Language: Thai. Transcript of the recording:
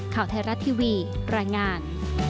ข่าวไทยรัฐทีวีรายงาน